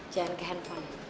jangan ke handphone